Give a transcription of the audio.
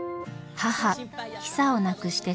母ヒサを亡くして３年。